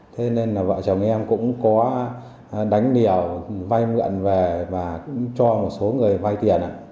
thế nên là vợ chồng em cũng có đánh điểu vay mượn về và cũng cho một số người vay tiền